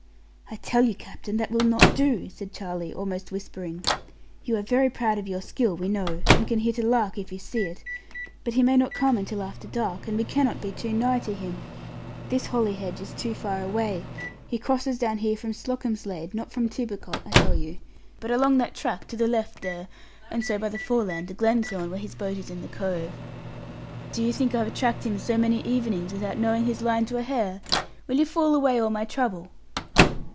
'I tell you, captain, that will not do,' said Charlie, almost whispering: 'you are very proud of your skill, we know, and can hit a lark if you see it: but he may not come until after dark, and we cannot be too nigh to him. This holly hedge is too far away. He crosses down here from Slocomslade, not from Tibbacot, I tell you; but along that track to the left there, and so by the foreland to Glenthorne, where his boat is in the cove. Do you think I have tracked him so many evenings, without knowing his line to a hair? Will you fool away all my trouble?'